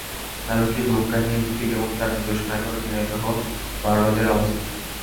নাটকটি লোক কাহিনি ভিত্তিক এবং তার নিদর্শন এখনো ঝিনাইদহ বার বাজারে অবস্থিত।